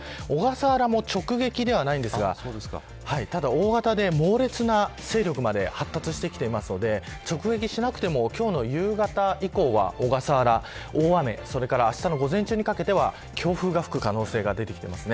小笠原も直撃ではないんですがただ、大型で猛烈な勢力まで発達してきていますので直撃しなくても今日の夕方以降は小笠原、大雨、それからあしたの午前中にかけては強風が吹く可能性が出てきています。